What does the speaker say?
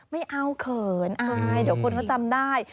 ไม่เอาเขินอายเดี๋ยวคนเขาจำได้